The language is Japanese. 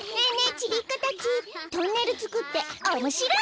ちびっこたちトンネルつくっておもしろイ？